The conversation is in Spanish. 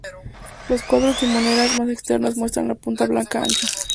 Las cuatro timoneras más externas muestran la punta blanca ancha.